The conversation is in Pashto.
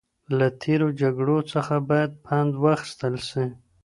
له تېرو جګړو څخه باید پند واخیستل سي.